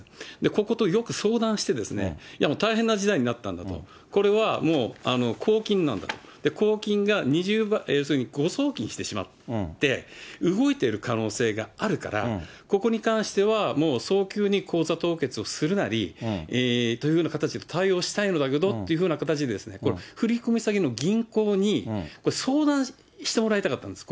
こことよく相談して、大変な事態になったんだと、これは公金なんだと、公金が要するに誤送金してしまって、動いている可能性があるから、ここに関してはもう早急に口座凍結をするなりというような形で対応したいのだけどっていう形でですね、振り込み先の銀行に、相談してもらいたかったんです。